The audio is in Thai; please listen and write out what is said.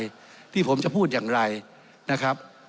คุณวิโรธก็พูดตั้งสิบครั้ง